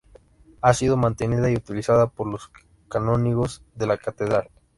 Ha sido mantenida y utilizada por los canónigos de la Catedral.